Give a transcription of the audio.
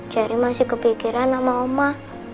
masih kepikiran sama oma